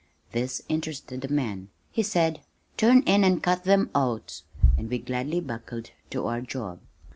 This interested the man. He said, "Turn in and cut them oats," and we gladly buckled to our job.